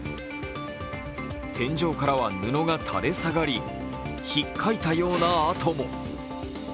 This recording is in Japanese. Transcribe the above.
天井からは布が垂れ下がり引っかいたような跡も。